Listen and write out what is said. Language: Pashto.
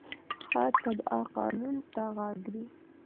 ښه تبعه قانون ته غاړه ږدي.